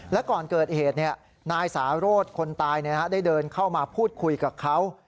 และก่อนเกิดเหตุนายสาโรธคนตายได้เดินเข้ามาพูดคุยกับเขา